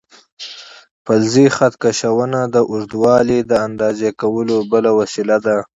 فلزي خط کشونه د اوږدوالي د اندازه کولو بله وسیله ده.